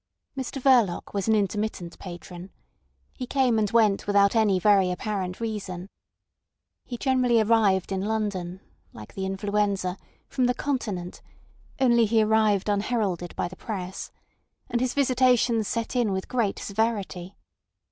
Mr Verloc was an intermittent patron. He came and went without any very apparent reason. He generally arrived in London (like the influenza) from the Continent, only he arrived unheralded by the Press; and his visitations set in with great severity.